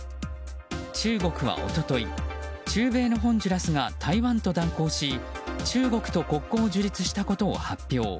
中国は一昨日、中米のホンジュラスが台湾と断交し中国と国交を樹立したことを発表。